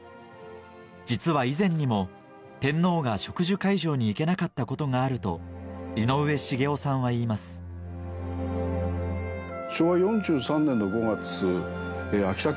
実は以前にも天皇が植樹会場に行けなかったことがあると井上茂男さんは言いますという形。